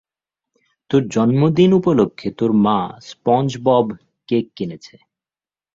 তোর জন্মদিন উপলক্ষে তোর মা স্পঞ্জবব কেক কিনেছে।